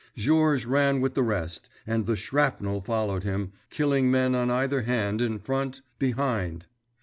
Georges ran with the rest, and the shrapnel followed him, killing men on either hand, in front, behind.